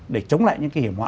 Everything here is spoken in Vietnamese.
để chống lại những cái hiểm họa